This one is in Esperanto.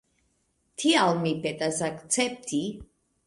Tial mi petas akcepti.